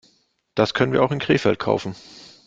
Das können wir auch in Krefeld kaufen